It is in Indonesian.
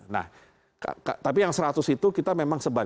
nah tapi yang seratus itu kita memang sebaiknya